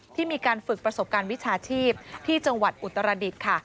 ที่มีการฝึกประสบการณ์วิชาชีพที่จังหวัดอุตรดิษฐ์ค่ะ